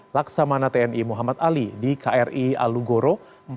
laksamana tni muhammad ali di kri alugoro empat ratus lima